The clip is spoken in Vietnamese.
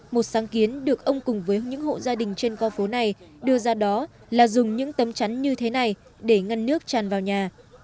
một sáng kiến được ông cùng với những hộ gia đình trên con phố này đưa ra đó là dùng những tấm chắn như thế này để ngăn nước tràn vào nhà